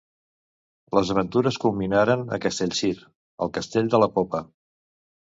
Les aventures culminaran a Castellcir, al Castell de la Popa.